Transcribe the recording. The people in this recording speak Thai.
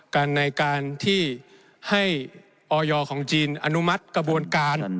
ในการที่ให้ออยของจีนอนุมัติกระบวนการ